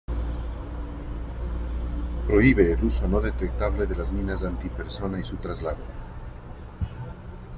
Prohíbe el uso no detectable de las minas antipersona y su traslado.